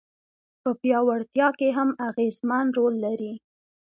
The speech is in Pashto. په پياوړتيا کي هم اغېزمن رول لري.